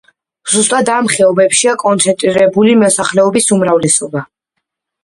ზუსტად ამ ხეობებშია კონცენტრირებული მოსახლეობის უმრავლესობა.